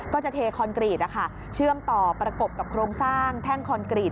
เทคอนกรีตเชื่อมต่อประกบกับโครงสร้างแท่งคอนกรีต